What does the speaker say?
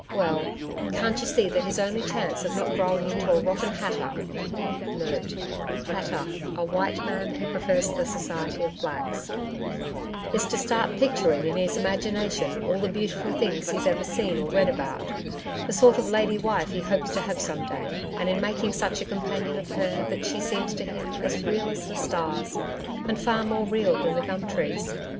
Well, can't you see that his only chance of not growing into a rotten HATTER* is to start picturing in his imagination all the beautiful things he's ever seen or read about the sort of lady wife he hopes to have some day and in making such a companion of her that she seems to him as real as the stars and far more real than the gum trees.